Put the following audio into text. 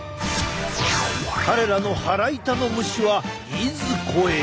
彼らの腹痛の虫はいずこへ？